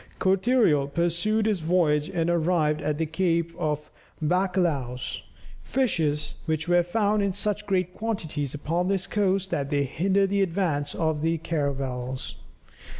Cortereal pursued his voyage and arrived at the Cape of Bacalhaos, "fishes which are found in such great quantities upon this coast that they hinder the advance of the caravels."